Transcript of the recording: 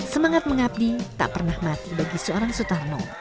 semangat mengabdi tak pernah mati bagi seorang sutarno